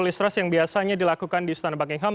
ilustrasi yang biasanya dilakukan di istana buckingham